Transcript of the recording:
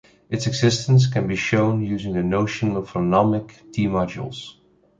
Its existence can be shown using the notion of holonomic D-modules.